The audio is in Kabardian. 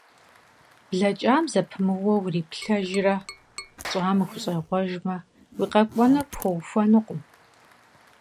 БлэкӀам зэпымыууэ уриплъэжрэ, пщӀам ухущӀегъуэжмэ, уи къэкӀуэнур пхуэухуэнукъым.